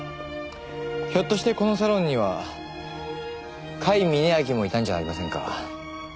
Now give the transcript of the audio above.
ひょっとしてこのサロンには甲斐峯秋もいたんじゃありませんか？